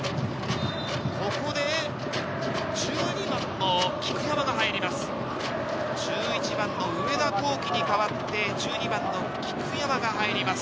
ここで１２番の菊山が入ります。